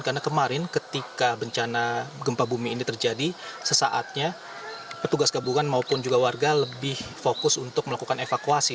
karena kemarin ketika bencana gempa bumi ini terjadi sesaatnya petugas gabungan maupun juga warga lebih fokus untuk melakukan evakuasi